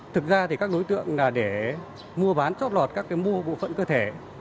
thực ra các đối tượng để mua bán chốt lọt các mô bộ phận cơ thể